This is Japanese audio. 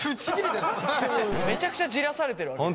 めちゃくちゃじらされてるわけですよ。